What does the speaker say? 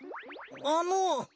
あの。